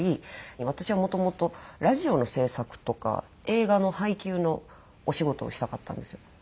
私はもともとラジオの制作とか映画の配給のお仕事をしたかったんですよ。